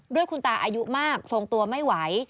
ด้วยคุณตาอายุมากทรงตัวไม่ไหว